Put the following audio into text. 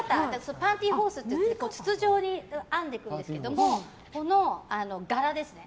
パンティーホースっていって筒状に編んでいくんですけどその柄ですね。